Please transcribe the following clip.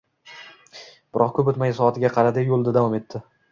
biroq koʻp oʻtmay soatiga qaradiyu yoʻlida davom etdi